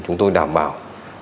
chúng tôi đảm bảo